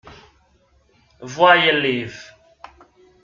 (Voyez liv.